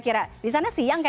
terima kasih baiklah